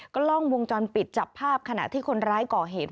กล้องวงจรปิดจับภาพขณะที่คนร้ายก่อเหตุ